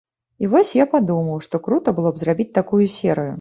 І вось я падумаў, што крута было б зрабіць такую серыю.